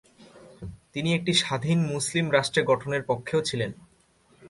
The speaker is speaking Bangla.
তিনি একটি স্বাধীন মুসলিম রাষ্ট্রে গঠনের পক্ষেও ছিলেন।